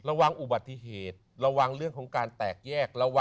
ระวังอุบัติเหตุระวังเรื่องของการแตกแยก